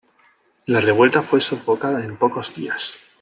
La revuelta fue sofocada en pocos días.